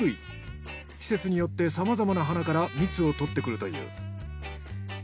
季節によってさまざまな花から蜜を採ってくるという。